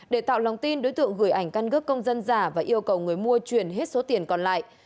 để tạo lòng tin đối tượng gửi ảnh căn cước công dân giả và yêu cầu người mua chuyển hết số tiền còn lại